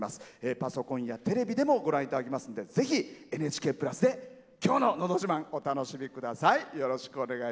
パソコンやテレビでもご覧いただけますのでぜひ「ＮＨＫプラス」で今日の「のど自慢」お楽しみください。